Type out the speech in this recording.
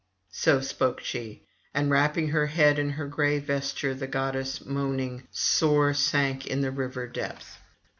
So spoke she, and wrapping her head in her gray vesture, the goddess moaning sore sank in the river depth.